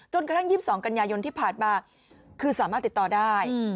กระทั่ง๒๒กันยายนที่ผ่านมาคือสามารถติดต่อได้